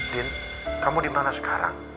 din kamu dimana sekarang